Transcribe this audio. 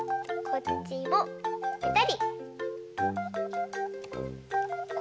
こっちもぺたり。